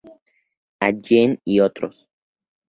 Allen y otros.